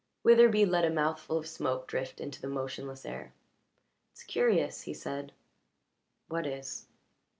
Witherbee let a mouthful of smoke drift into the motionless air. "It's curious," he said. "What is?"